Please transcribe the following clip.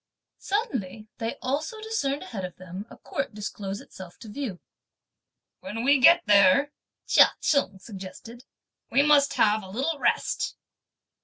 Suddenly they also discerned ahead of them a court disclose itself to view. "When we get there," Chia Cheng suggested, "we must have a little rest."